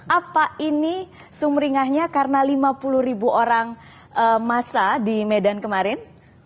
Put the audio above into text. apa ini sumringahnya karena lima puluh ribu orang masa di medan kemarin